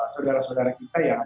saudara saudara kita yang